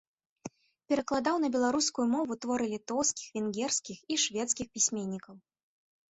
Перакладаў на беларускую мову творы літоўскіх, венгерскіх і шведскіх пісьменнікаў.